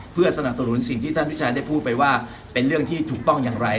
เพื่อสนับสนุนสิ่งที่ท่านพิชาได้พูดไปว่าเป็นเรื่องที่ถูกต้องอย่างไร